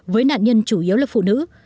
với nạn nhân chủ yếu là phụ nữ